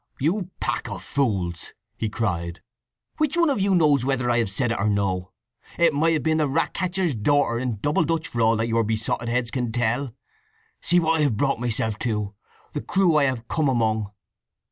"You pack of fools!" he cried. "Which one of you knows whether I have said it or no? It might have been the Ratcatcher's Daughter in double Dutch for all that your besotted heads can tell! See what I have brought myself to—the crew I have come among!"